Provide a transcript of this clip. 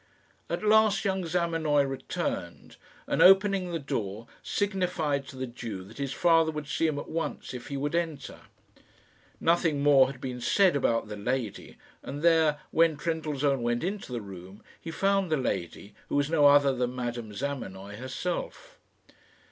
At last young Zamenoy returned, and, opening the door, signified to the Jew that his father would see him at once if he would enter. Nothing more had been said about the lady, and there, when Trendellsohn went into the room, he found the lady, who was no other than Madame Zamenoy herself.